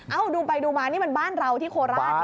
ดูไปดูมานี่มันบ้านเราที่โคราช